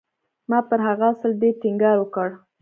ما پر هغه اصل ډېر ټينګار وکړ.